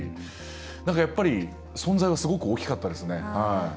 やっぱり、存在はすごく大きかったですね。